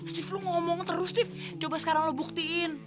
steve lu ngomong terus steve coba sekarang lu buktiin